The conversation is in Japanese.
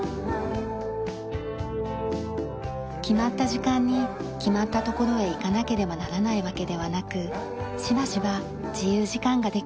決まった時間に決まった所へ行かなければならないわけではなくしばしば自由時間ができます。